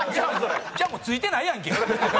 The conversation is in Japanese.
じゃあもうついてないやんけ！